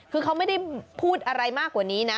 คือเขาไม่ได้พูดอะไรมากกว่านี้นะ